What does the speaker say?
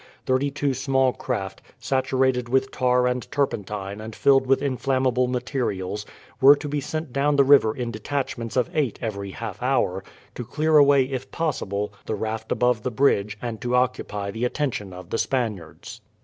Thirty two small craft, saturated with tar and turpentine and filled with inflammable materials, were to be sent down the river in detachments of eight every half hour, to clear away if possible the raft above the bridge and to occupy the attention of the Spaniards.